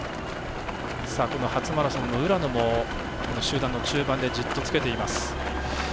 初マラソンの浦野も集団中盤でじっとつけています。